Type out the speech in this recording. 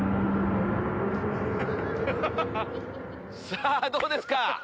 さぁどうですか？